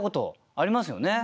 ありますね。